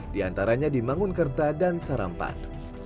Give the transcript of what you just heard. di antaranya di mangunkerta dan sarampat